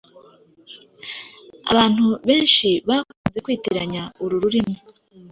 abantu benshi bakunze kwitiranya uru rurimi